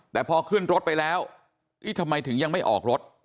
แต่พอขึ้นรถไปแล้วเอ๊ะทำไมถึงยังไม่ออกรถ